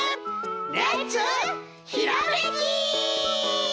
レッツひらめき！